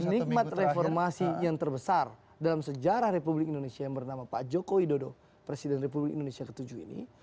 penikmat reformasi yang terbesar dalam sejarah republik indonesia yang bernama pak joko widodo presiden republik indonesia ke tujuh ini